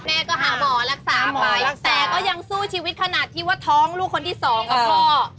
แม่ก็หาหมอรักษาหมอไปแต่ก็ยังสู้ชีวิตขนาดที่ว่าท้องลูกคนที่สองกับพ่อ